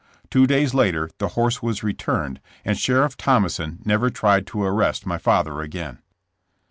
Two days later the horse was returned and Sheriff Thomason never tried to arrest my father again.